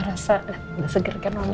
rasa udah seger kan mama